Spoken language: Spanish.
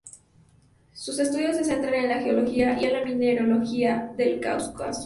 Sus estudios se centran en la geología y en la mineralogía del Cáucaso.